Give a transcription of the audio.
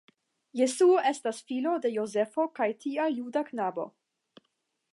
Jesuo estas filo de Jozefo kaj tial juda knabo.